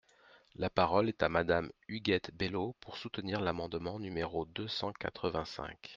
La parole est à Madame Huguette Bello, pour soutenir l’amendement numéro deux cent quatre-vingt-cinq.